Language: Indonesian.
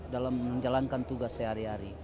dalam menjalankan tugas sehari hari